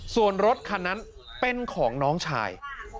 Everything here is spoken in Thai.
ส่วนรถคันนั้นเป็นของน้องชาย